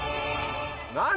何？